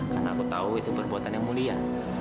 karena aku tahu itu perbuatan yang mulia